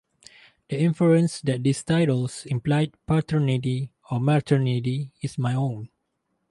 The inference that these titles implied paternity or maternity is my own.